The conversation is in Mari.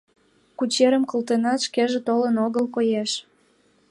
Кучерым колтенат, шкеже толын огыл, коеш.